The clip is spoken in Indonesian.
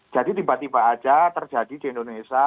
jadi tiba tiba saja terjadi di indonesia